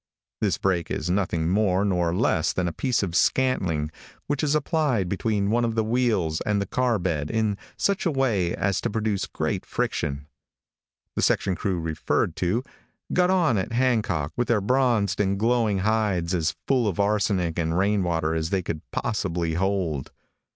This brake is nothing more nor less then a piece of scantling, which is applied between one of the wheels and the car bed, in such a way as to produce great friction. The section crew referred to, got on at Hancock with their bronzed and glowing hides as full of arsenic and rain water as they could possibly hold.